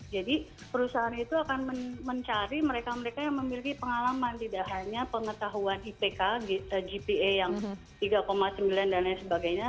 jadi perusahaan itu akan mencari mereka mereka yang memiliki pengalaman tidak hanya pengetahuan ipk gpa yang tiga sembilan dan lain sebagainya